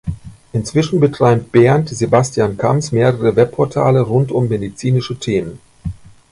Inzwischen betreibt Bernd Sebastian Kamps mehrere Webportale rund um medizinische Themen.